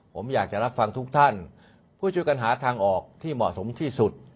ผมอยากจะรับฟังทุกท่านผู้ช่วยกันหาทางออกที่เหมาะสมที่สุด